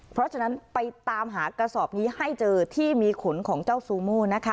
เพราะฉะนั้นไปตามหากระสอบนี้ให้เจอที่มีขนของเจ้าซูโม่นะคะ